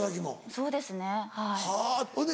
そうですねはい。